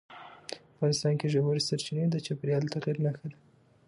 افغانستان کې ژورې سرچینې د چاپېریال د تغیر نښه ده.